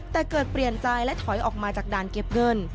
แต่เกิดเปลี่ยนใจและถอยออกมาจากด่านเก็บเงิน